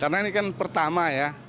karena ini kan pertama ya